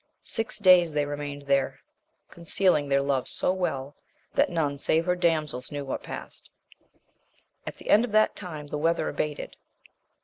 Six days they remained there, concealing their loves so well, that none save her damsels knew what passed. At the end of that time the weather abated.